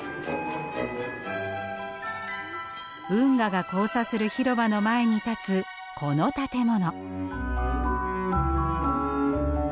運河が交差する広場の前に立つこの建物。